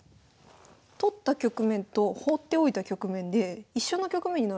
取った局面と放っておいた局面で一緒の局面になるんですね。